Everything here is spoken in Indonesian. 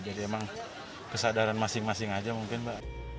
emang kesadaran masing masing aja mungkin mbak